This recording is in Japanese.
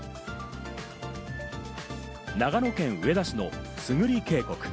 長野県上田市の巣栗渓谷。